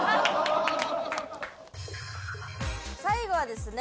最後はですね